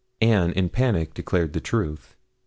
Anne, in a panic, declared the truth.